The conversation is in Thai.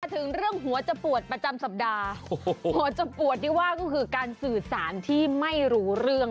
ถึงเรื่องหัวจะปวดประจำสัปดาห์โอ้โหจะปวดที่ว่าก็คือการสื่อสารที่ไม่รู้เรื่อง